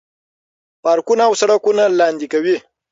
پارکونه او سړکونه لاندې کوي.